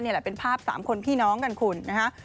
แหละเป็นภาพ๓คนพี่น้องกันคุณนะฮะ